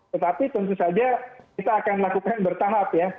tetapi tentu saja kita akan lakukan bertahap ya